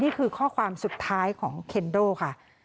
นี่คือข้อความสุดท้ายของเคนโดค่ะ